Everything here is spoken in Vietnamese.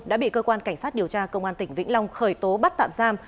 đã bị cơ quan cảnh sát điều tra công an tỉnh vĩnh long khởi tố bắt tạm giam